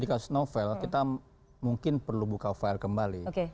di kasus novel kita mungkin perlu buka file kembali